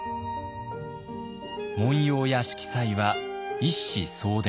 紋様や色彩は一子相伝。